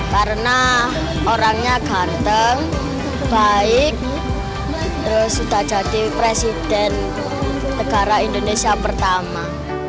karena orangnya ganteng baik terus sudah jadi presiden negara indonesia pertama